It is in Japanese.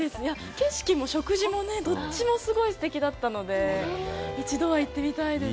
景色も食事もね、どっちもすごいすてきだったので、一度は行ってみたいです。